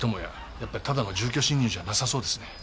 やっぱりただの住居侵入じゃなさそうですね。